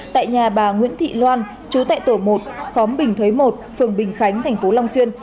tại nhà bà nguyễn thị loan chú tại tổ một khóm bình thới một phường bình khánh thành phố long xuyên